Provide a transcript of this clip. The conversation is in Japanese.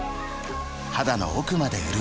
肌の奥まで潤う